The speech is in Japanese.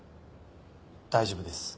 大丈夫です。